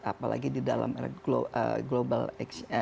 apalagi di dalam global x